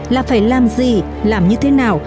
là phải làm gì làm như thế nào